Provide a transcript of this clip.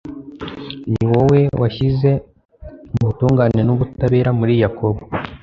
ni wowe washyize ubutungane n’ubutabera muri Yakobo